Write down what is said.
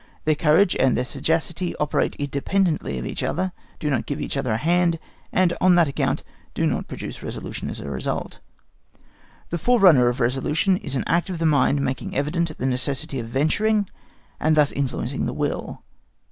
Their courage and their sagacity operate independently of each other, do not give each other a hand, and on that account do not produce resolution as a result. The forerunner of resolution is an act of the mind making evident the necessity of venturing, and thus influencing the will.